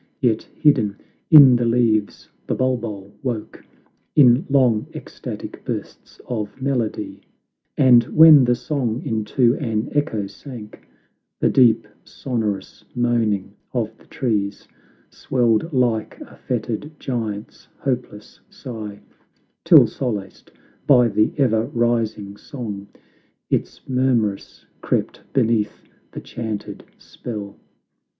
Yet, hidden in the leaves, the bulbul woke In long ecstatic bursts of melody; And when the song into an echo sank, The deep, sonorous, moaning of the trees Swelled like a fettered giant's hopeless sigh, Till solaced by the ever rising song, It murmurous crept beneath the chanted spell.